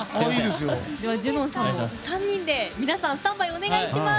ＪＵＮＯＮさんも、３人で皆さんスタンバイお願いします。